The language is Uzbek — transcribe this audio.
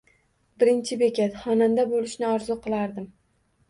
Birinchi bekat: Xonanda bo’lishni orzu qilardim